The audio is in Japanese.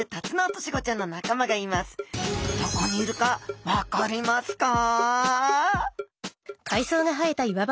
どこにいるか分かりますか？